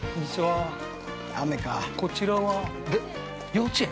こちらは幼稚園？